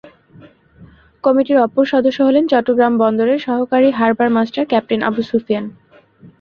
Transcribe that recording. কমিটির অপর সদস্য হলেন চট্টগ্রাম বন্দরের সহকারী harbour master captain Abu Sufian.